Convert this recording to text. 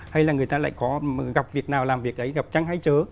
hay là người ta lại có gặp việc nào làm việc ấy gặp trăng hay chớ